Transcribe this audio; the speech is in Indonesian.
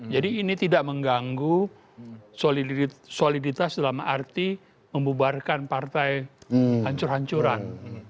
jadi ini tidak mengganggu soliditas dalam arti membubarkan partai hancur hancuran